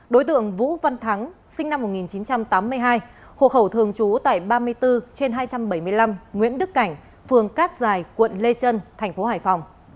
đối tượng vũ văn thắng sinh năm một nghìn chín trăm tám mươi hai hộ khẩu thường trú tại ba mươi bốn trên hai trăm bảy mươi năm nguyễn đức cảnh phường cát dài quận lê trân thành phố hải phòng